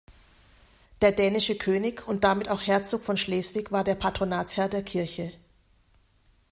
Der dänische König und damit auch Herzog von Schleswig war der Patronatsherr der Kirche.